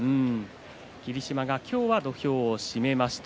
霧島が今日は土俵を締めました。